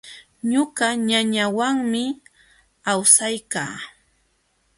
Ñuqa ñañawanmi awsaykaa.